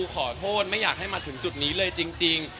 ขอโทษไม่อยากให้มาถึงจุดนี้เลยจริง